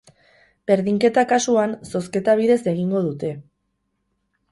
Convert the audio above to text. Berdinketa kasuan, zozketa bidez egingo dute.